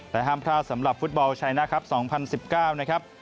แต่ห้ามพลาดสำหรับฟุตบอลชายนะครับ๒๐๑๙นะครับ